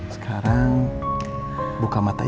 sekarang buka mata ibu